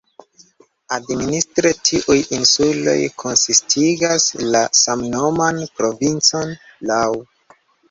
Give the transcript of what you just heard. Administre tiuj insuloj konsistigas la samnoman provincon "Lau".